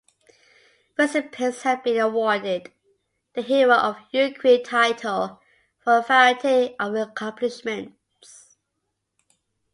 Recipients have been awarded the Hero of Ukraine title for a variety of accomplishments.